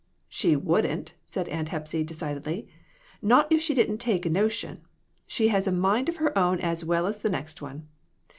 "She wouldn't," said Aunt Hepsy, decidedly; "not if she didn't take a notion. She has a mind of her own as well as the next one.